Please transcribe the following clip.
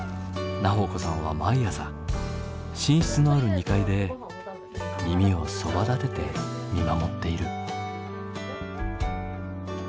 菜穂子さんは毎朝寝室のある２階で耳をそばだてて見守っている。